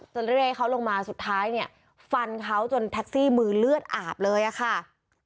เรียกให้เขาลงมาสุดท้ายเนี่ยฟันเขาจนแท็กซี่มือเลือดอาบเลยอะค่ะ